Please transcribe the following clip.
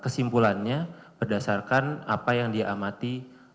kesimpulannya berdasarkan apa yang diamati